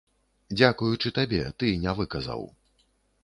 Дзякуючы табе, ты не выказаў.